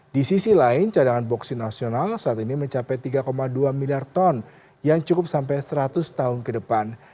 di sisi lain cadangan boksit nasional saat ini mencapai tiga dua miliar ton yang cukup sampai seratus tahun ke depan